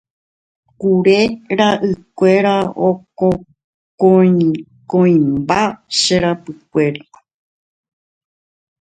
kure ra'ykuéra okõikõimba che rakykuéri